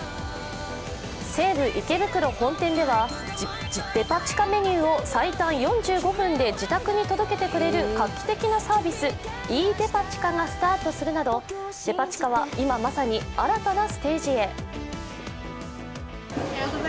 西武池袋本店ではデパ地下メニューを最短４５分で自宅に届けてくれる画期的なサービス、ｅ．デパチカがスタートするなどデパ地下は今、まさに新たなステージへ。